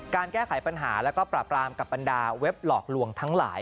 แก้ไขปัญหาแล้วก็ปราบรามกับบรรดาเว็บหลอกลวงทั้งหลาย